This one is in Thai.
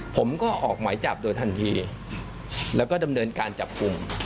ผมก็ออกหมายจับโดยทันทีแล้วก็ดำเนินการจับกลุ่ม